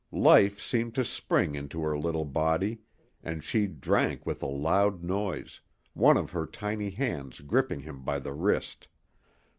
Life seemed to spring into her little body; and she drank with a loud noise, one of her tiny hands gripping him by the wrist.